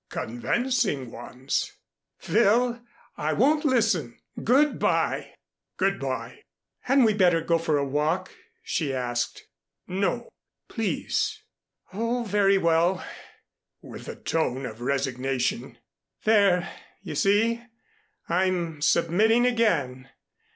"Convincing ones." "Phil, I won't listen. Good by!" "Good by." "Hadn't we better go for a walk?" she asked. "No please " "Oh, very well," with a tone of resignation. "There you see, I'm submitting again.